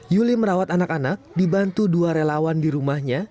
yuli merawat anak anak dibantu dua relawan di rumahnya